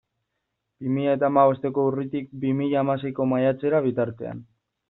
Bi mila eta hamabosteko urritik bi mila hamaseiko maiatzera bitartean.